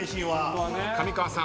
上川さん